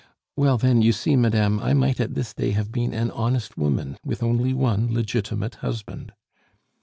"Well, then, you see, madame, I might at this day have been an honest woman, with only one legitimate husband!"